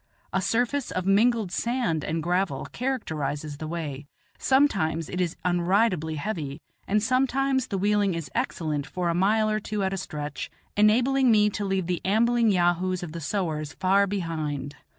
A surface of mingled sand and gravel characterizes the way; sometimes it is unridably heavy, and sometimes the wheeling is excellent for a mile or two at a stretch, enabling me to leave the ambling yahoos of the sowars far behind.